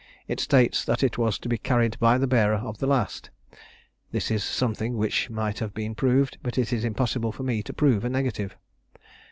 It states that it was to be carried by the bearer of the last: this is something which might have been proved, but it is impossible for me to prove a negative.